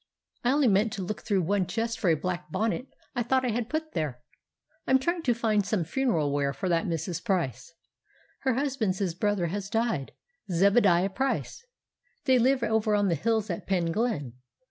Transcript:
"I only meant to look through one chest for a black bonnet I thought I had put there—I'm trying to find some funeral wear for that Mrs. Price. Her husband's brother has died, Zebadiah Price; they live over the hills at Penglyn.